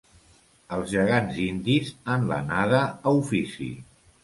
Els gegants Indis en l'anada a Ofici.